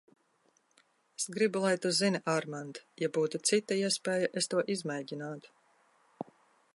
Es gribu, lai tu zini, Armand, ja būtu cita iespēja, es to izmēģinātu.